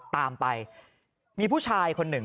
ตามไปมีผู้ชายคนหนึ่ง